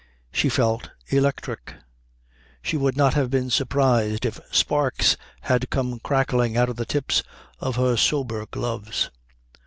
She felt electric. She would not have been surprised if sparks had come crackling out of the tips of her sober gloves.